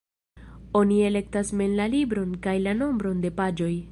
Oni elektas mem la libron kaj la nombron de paĝoj.